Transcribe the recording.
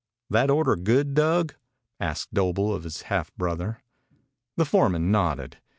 "That order good, Dug?" asked Doble of his half brother. The foreman nodded.